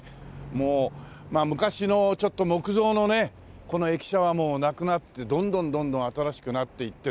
もう昔のちょっと木造のねこの駅舎はもうなくなってどんどんどんどん新しくなっていってというね。